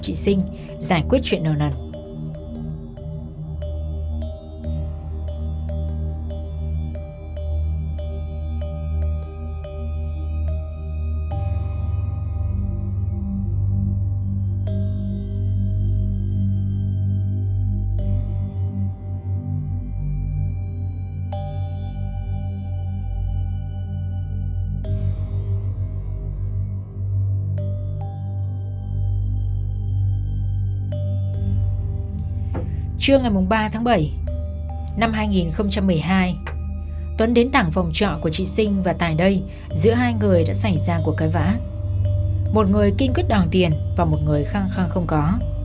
trưa ngày ba tháng bảy năm hai nghìn một mươi hai tuấn đến tảng phòng trọ của chị sinh và tài đây giữa hai người đã xảy ra cuộc cái vã một người kin quyết đòn tiền và một người khăng khăng không có